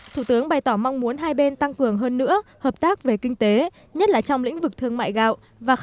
thủ tướng bày tỏ mong muốn hai bên tăng cường hơn nữa hợp tác về kinh tế nhất là trong lĩnh vực thương mại gạo và